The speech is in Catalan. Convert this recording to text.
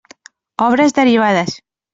Obres derivades.